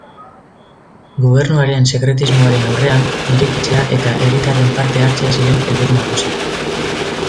Gobernuaren sekretismoaren aurrean, irekitzea eta herritarren parte-hartzea ziren helburu nagusiak.